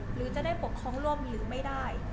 หรือจะได้ปกครองร่วมหรือไม่ได้